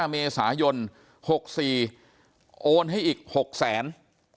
๕เมษายน๖๔โอนให้อีก๖๐๐๐๐๐บาท